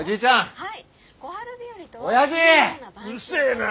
はい！